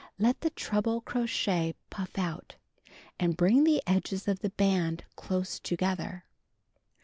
ht the treble crochet pufT out, and ])ring the edges of the Ijand close together.